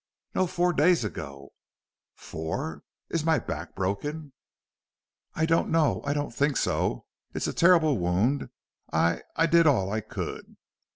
"No. Four days ago." "Four! Is my back broken?" "I don't know. I don't think so. It's a terrible wound. I I did all I could."